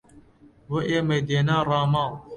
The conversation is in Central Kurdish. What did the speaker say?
بۆ ئێمەی دێنا ڕاماڵ